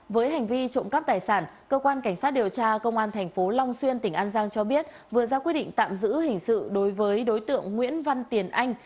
với hành vi trộm cắp tài sản cơ quan cảnh sát điều tra công an tp long xuyên tỉnh an giang cho biết vừa ra quyết định tạm giữ hình sự đối với đối tượng nguyễn văn tiền anh